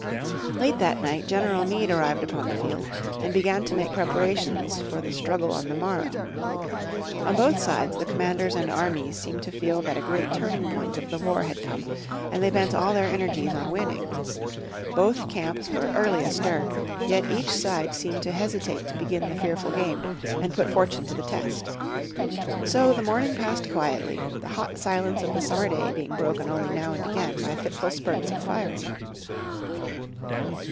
Late that night General Meade arrived upon the field, and began to make preparations for the struggle on the morrow. On both sides the commanders and armies seemed to feel that a great turning point of the war had come, and they bent all their energies on winning. Both camps were early astir, yet each side seemed to hesitate to begin the fearful game, and put fortune to the test. So the morning passed quietly, the hot silence of the summer day being broken only now and again by fitful spurts of firing.